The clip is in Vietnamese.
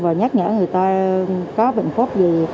và nhắc nhở người ta có bệnh phúc gì